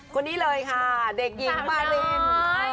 คนนี้เลยค่ะเด็กหญิงมาริน